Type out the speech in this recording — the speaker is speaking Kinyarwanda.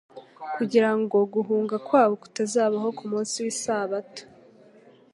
kugira ngo guhunga kwabo kutazabaho ku munsi w'isabato.